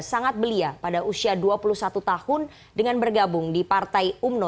sangat belia pada usia dua puluh satu tahun dengan bergabung di partai umno